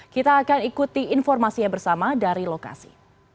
kita akan ikuti informasinya bersama dari lokasi